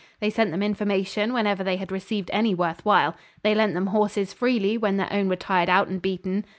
They sent them information whenever they had received any worth while. They lent them horses freely when their own were tired out and beaten.